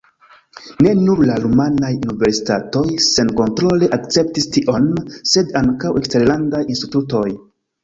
Ne nur la rumanaj universitatoj senkontrole akceptis tion, sed ankaŭ eksterlandaj institutoj.